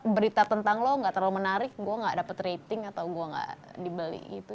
berita tentang lo gak terlalu menarik gue gak dapat rating atau gue gak dibeli gitu